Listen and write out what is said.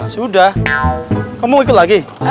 sudah kamu ikut lagi